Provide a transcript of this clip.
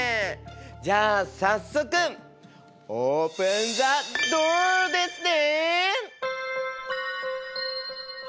じゃあ早速オープンザドアですね。